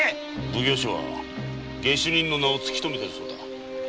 奉行所は下手人の名を突きとめたそうだ。